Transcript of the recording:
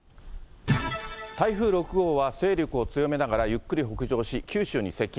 台風６号は勢力を強めながらゆっくり北上し、九州に接近。